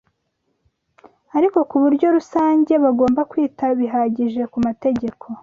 ariko ku buryo rusange, bagomba kwita bihagije ku mategeko